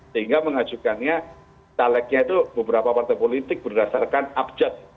sehingga mengajukannya calegnya itu beberapa partai politik berdasarkan abjad